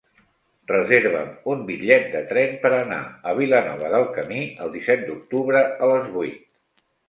Reserva'm un bitllet de tren per anar a Vilanova del Camí el disset d'octubre a les vuit.